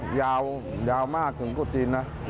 ก็ยาวยาวมากถึงกว่าจริง